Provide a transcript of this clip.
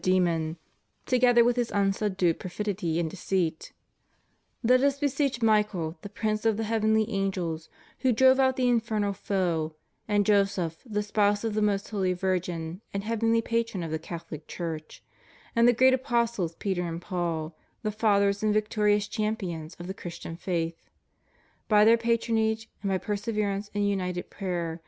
demon, together with his unsubdued perfidy and deceit Let us beseech Michael, the prince of the heavenly angels, who drove out the infernal foe; and Joseph, the spouse of the Most Holy Virgin, and heavenly Patron of the Catholic Church; and the great apostles, Peter and Paul, the fathers and victorious champions of the Chris tian faith. By their patronage, and by perseverance in united prayer.